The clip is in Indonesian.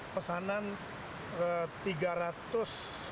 sekarang udah pesanan